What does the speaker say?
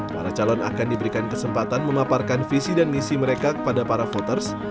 para calon akan diberikan kesempatan memaparkan visi dan misi mereka kepada para voters